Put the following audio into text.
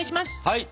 はい！